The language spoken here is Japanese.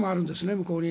向こうに。